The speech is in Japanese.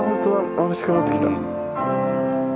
まぶしくなってきた。